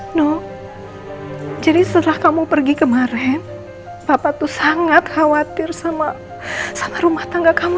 nino jadi setelah kamu pergi kemarin bapak itu sangat khawatir sama rumah tangga kamu